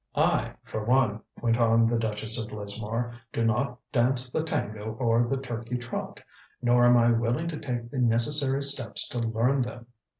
"I for one," went on the Duchess of Lismore, "do not dance the tango or the turkey trot. Nor am I willing to take the necessary steps to learn them."